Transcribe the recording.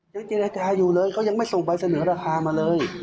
ยังเจรจาอยู่เลยเขายังไม่ส่งใบเสนอราคามาเลย